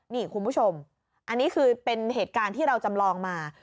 นี่คุณผู้ชมอันนี้คือเป็นเหตุการณ์ที่เราจำลองมา